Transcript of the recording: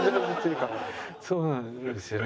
そうなんですよね。